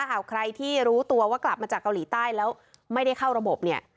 หากใครที่รู้ตัวว่ากลับมาจากเกาหลีใต้แล้วไม่ได้เข้าระบบเนี่ย